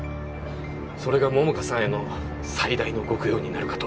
それが桃花さんへの最大のご供養になるかと。